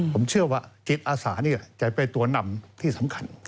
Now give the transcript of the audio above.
ผมเชื่อว่ากิจอาสาจะไปตัวนำที่สำคัญ